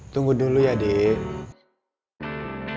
tunggu dulu ya dik